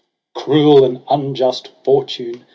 Cruel and unjust fortune